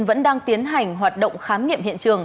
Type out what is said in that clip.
vẫn đang tiến hành hoạt động khám nghiệm hiện trường